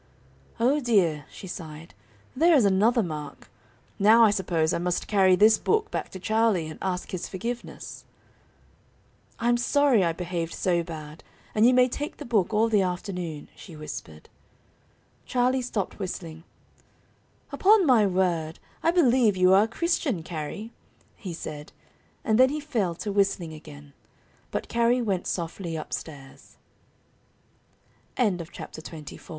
"Oh, dear," she sighed, "there is another mark. Now, I suppose, I must carry this book back to Charlie, and ask his forgiveness." "I am sorry I behaved so bad, and you may take the book all the afternoon," she whispered. Charlie stopped whistling. "Upon my word, I believe you are a Christian, Carrie," he said, and then he fell to whistling again. But Carrie went softly up stairs. [Illustration: _"Never mind her!